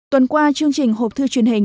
tuần qua chương trình hộp thư truyền hình